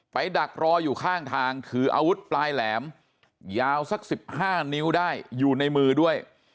ดักรออยู่ข้างทางถืออาวุธปลายแหลมยาวสัก๑๕นิ้วได้อยู่ในมือด้วย